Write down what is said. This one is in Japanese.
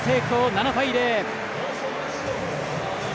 ７対０。